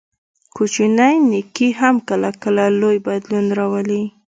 کوچنی نیکي هم کله کله لوی بدلون راولي.